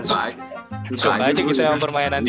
suka aja gitu ya permainan dia